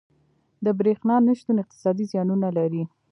• د برېښنا نه شتون اقتصادي زیانونه لري.